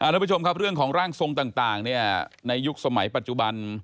ทุกผู้ชมครับเรื่องของร่างทรงต่างในยุคสมัยปัจจุบัน